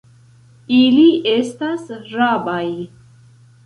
Ili estas rabaj.